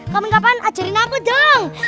kapan kapan ajarin aku dong